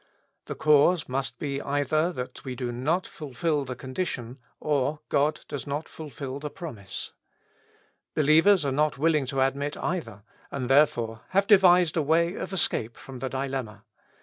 The cause must be either that we do not fulfil the condition, or God does not fulfil the promise. Believers are not 165 With Christ in the School of Prayer. willing to admit either, and therefore have devised a way of escape from the dilemma.